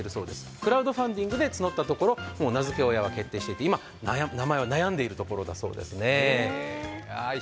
クラウドファンディングで募ったところ、もう名付け親は決定していまして、今、名前を悩んでいるということだそうです。